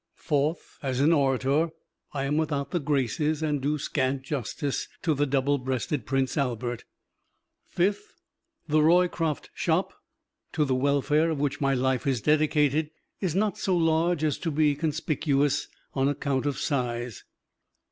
Fourth, as an orator I am without the graces, and do scant justice to the double breasted Prince Albert. Fifth, the Roycroft Shop, to the welfare of which my life is dedicated, is not so large as to be conspicuous on account of size.